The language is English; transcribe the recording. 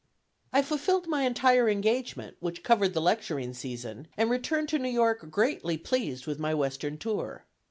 I fulfilled my entire engagement, which covered the lecturing season, and returned to New York greatly pleased with my Western tour.